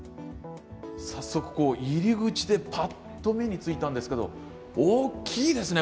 早速、入り口でぱっと目についたんですけど大きいですね！